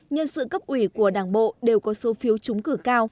nhân sự cấp ủy của đảng bộ đều có số phiếu trúng cử cao